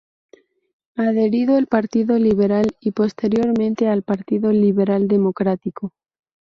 Adherido al Partido Liberal y posteriormente al Partido Liberal Democrático.